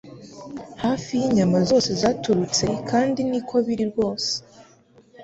Hafi yinyama zose zaturutse kandi niko biri rwose